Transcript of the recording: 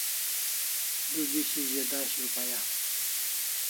Du bishi ze dash rupaya